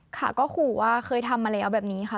ค่ะก็ขู่ว่าเคยทำอะไรเอาแบบนี้ค่ะ